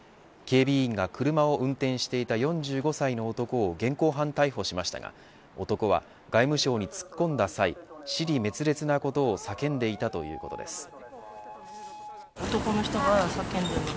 警備員が車を運転していた４５歳の男を現行犯逮捕しましたが男は外務省に突っ込んだ際支離滅裂なことを叫んでいたということです。